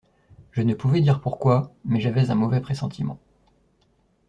Je ne pouvais dire pourquoi, mais j’avais un mauvais pressentiment.